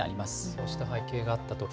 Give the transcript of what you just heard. そうした背景があったと。